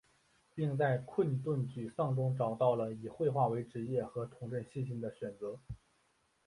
并在困顿沮丧中找到了以绘画为职业和重振信心的选择。